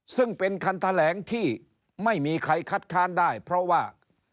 ซึ่งเป็นคันแถลงที่ไม่มีใครคัดค้านได้เพราะว่า